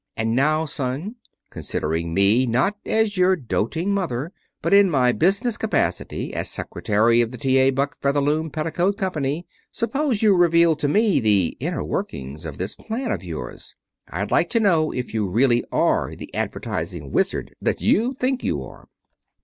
"And now, son, considering me, not as your doting mother, but in my business capacity as secretary of the T.A. Buck Featherloom Petticoat Company, suppose you reveal to me the inner workings of this plan of yours. I'd like to know if you really are the advertising wizard that you think you are."